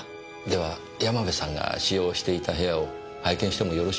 では山部さんが使用していた部屋を拝見してもよろしいでしょうか。